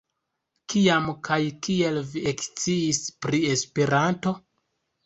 Kiam kaj kiel vi eksciis pri Esperanto?